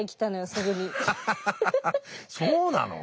そうなの？